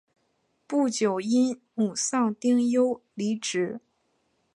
不久因母丧丁忧离职。